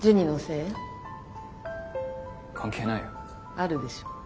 あるでしょ。